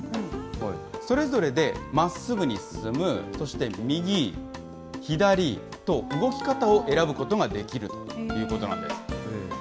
それぞれでまっすぐに進む、そして右、左と動き方を選ぶことができるということなんです。